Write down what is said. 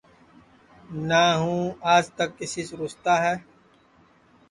نہ ہوں آج تک کیسی سے روساتا ہے